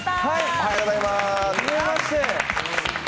おはようございます。